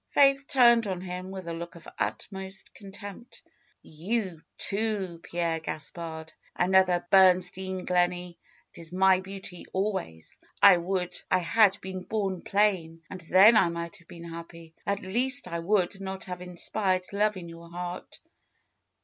Faith turned on him with a look of utmost con tempt. ^^You too, Pierre Gaspard! Another Bernstein Gle ney ! It is my beauty always. I would I had been bom plain, and then I might have been happy. At least I would not have inspired love in your heart."